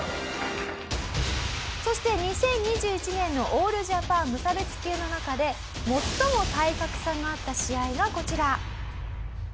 そして２０２１年のオールジャパン無差別級の中で最も体格差があった試合がこちら。